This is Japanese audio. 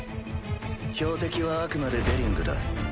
標的はあくまでデリングだ。